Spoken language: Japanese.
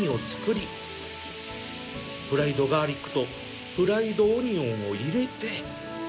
フライドガーリックとフライドオニオンを入れて